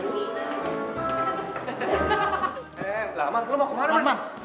eh laman lo mau kemana man